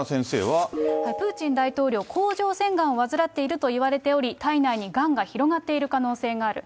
プーチン大統領、甲状腺がんを患っている可能性があり、体内にがんが広がっている可能性がある。